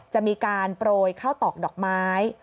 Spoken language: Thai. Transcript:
จะมีการโปรยข้าวตอกดอกไม้